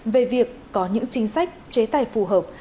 về việc có những chính sách chế tài phù hợp